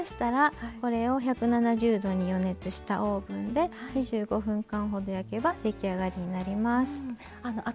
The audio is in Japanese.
１７０度に予熱したオーブンで２５分ほど焼けば出来上がりになります。